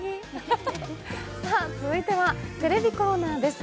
続いてはテレビコーナーです。